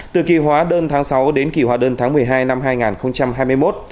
từ kỳ hóa đơn tháng sáu đến kỳ hóa đơn tháng một mươi hai năm hai nghìn hai mươi một